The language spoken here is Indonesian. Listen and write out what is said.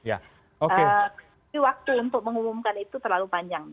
tapi waktu untuk mengumumkan itu terlalu panjang